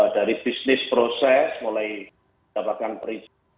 dari bisnis proses mulai dapatkan perizinan